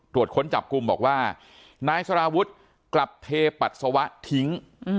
ค้นจับกลุ่มบอกว่านายสารวุฒิกลับเทปัสสาวะทิ้ง